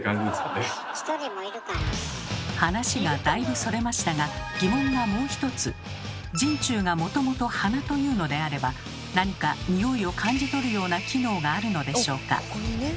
話がだいぶそれましたが人中がもともと鼻というのであれば何かニオイを感じ取るような機能があるのでしょうか？